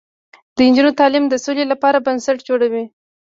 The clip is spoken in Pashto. د نجونو تعلیم د سولې لپاره بنسټ جوړوي.